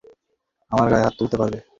আমার গায়ে হাত তুলতে পারবে।